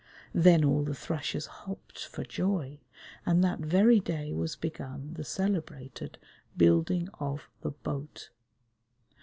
Then all the thrushes hopped for joy, and that very day was begun the celebrated Building of the Boat.